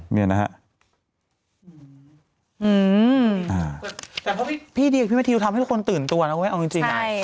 แต่พอพี่ดีกับพี่มัธิทำให้ทุกคนตื่นตัวนะว่าเอาจริงไง